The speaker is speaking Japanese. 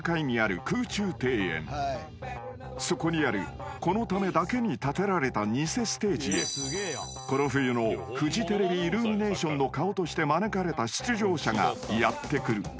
［そこにあるこのためだけに建てられたニセステージへこの冬のフジテレビイルミネーションの顔として招かれた出場者がやって来る］